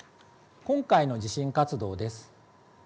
今回の地震活動です。